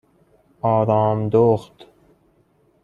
آرامدخت